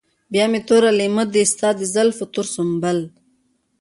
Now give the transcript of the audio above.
بيا مې تور لېمه دي ستا د زلفو تور سنبل